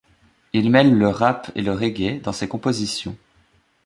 Il mêle le rap et le reggae dans ses compositions.